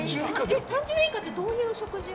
３０円以下ってどういう食事を？